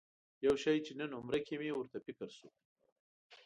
یو شي چې نن عمره کې مې ورته فکر شو.